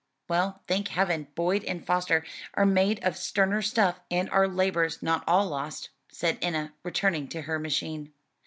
"Well, thank heaven, Boyd and Foster are made of sterner stuff and our labor's not all lost," said Enna, returning to her machine.